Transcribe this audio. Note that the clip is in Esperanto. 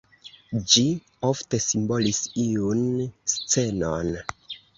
Ĝi ofte simbolis iun scenon.